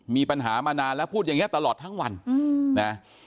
มีปัญหามานานแล้วพูดอย่างนี้ตลอดทั้งวันนะ